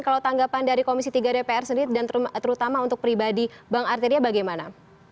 kalau tanggapan dari komisi tiga dpr sendiri dan terutama untuk pribadi bank arteria bagaimana